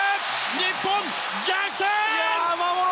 日本、逆転！